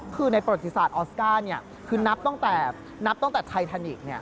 คือในปฏิศาสตร์ออสการ์คือนับตั้งแต่ไททานิค